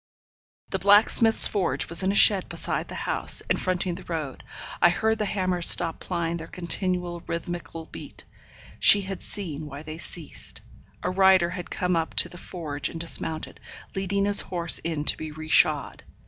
The blacksmith's forge was in a shed beside the house, and fronting the road. I heard the hammers stop plying their continual rhythmical beat. She had seen why they ceased. A rider had come up to the forge and dismounted, leading his horse in to be re shod.